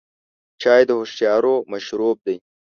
چای د هوښیارو مشروب دی.